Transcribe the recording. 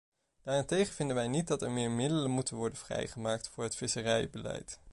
Daarentegen vinden wij niet dat er meer middelen moeten worden vrijgemaakt voor het visserijbeleid.